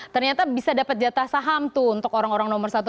ternyata bisa dapat jatah saham tuh untuk orang orang nomor satu